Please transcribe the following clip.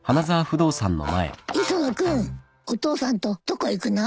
磯野君お父さんとどこ行くの？